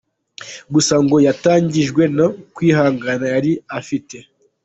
Gusa ngo yatangajwe no kwihangana yari afite.